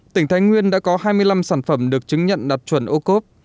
tỉnh thái nguyên đã có hai mươi năm sản phẩm được chứng nhận đạt chuẩn ô cốp